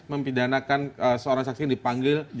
mempidanakan seorang saksi yang dipanggil